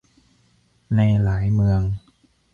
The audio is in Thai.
ในหลายเมือง